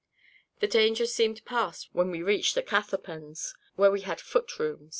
The danger seemed passed when we reached the catharpens, where we had foot room.